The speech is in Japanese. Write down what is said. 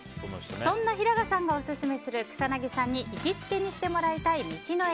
そんな平賀さんがオススメする草なぎさんに行きつけにしてもらいたい道の駅